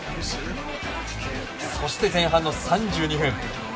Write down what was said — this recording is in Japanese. そして前半の３２分。